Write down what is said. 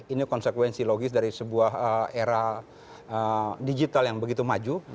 ini konsekuensi logis dari sebuah era digital yang begitu maju